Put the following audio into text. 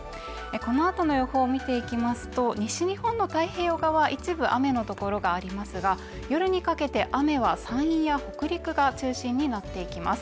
このあとの予報見ていきますと西日本の太平洋側一部雨の所がありますが夜にかけて雨は山陰や北陸が中心になっていきます